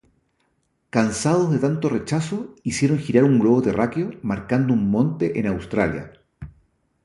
Cansados de tanto rechazo hicieron girar un globo terráqueo marcando un monte en Australia.